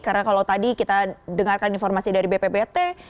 karena kalau tadi kita dengarkan informasi dari bpbt